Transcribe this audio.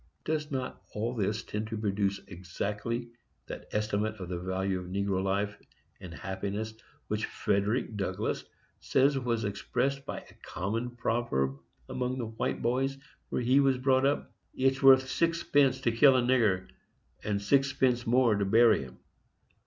Does not all this tend to produce exactly that estimate of the value of negro life and happiness which Frederic Douglass says was expressed by a common proverb among the white boys where he was brought up: "It's worth sixpence to kill a nigger, and sixpence more to bury him"?